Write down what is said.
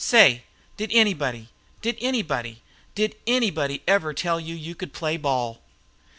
"Say! did anybody, did anybody, did anybody ever tell you you could play ball?"